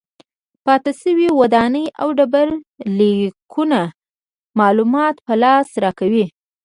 پاتې شوې ودانۍ او ډبرلیکونه معلومات په لاس راکوي.